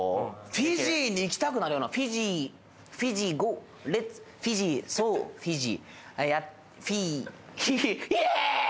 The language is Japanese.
フィジーに行きたくなるようなフィジーフィジーゴーレッツフィジーソーフィジーフィーイエーイ！